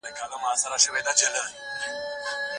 د معلوماتو د خوندي کولو لپاره نوټونه اخیستل کېږي.